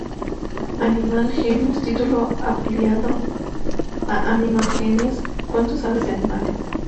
Animal Genius, título ampliado a Animal Genius ¿Cuánto Sabes de Animales?